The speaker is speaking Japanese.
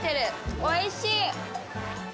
おいしい！